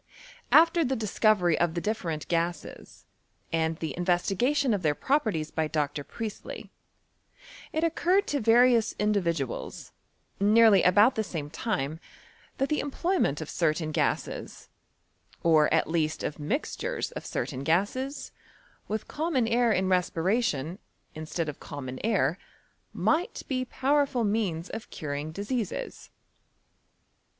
After the discovery of the different gases, and the investigation of their properties by Dr. Priestley, it occurred to various individuals, nearly about thf same time, that the employment of certain gases, or at least of mixtures of certain gases, with common air in respbation, instead of common air, might be powerful means of curing diseases.